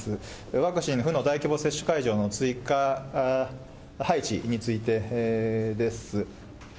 ワクチン府の大規模接種会場の追加配置についてです。